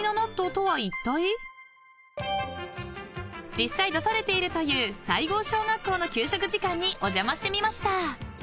［実際出されているという西郷小学校の給食時間にお邪魔してみました］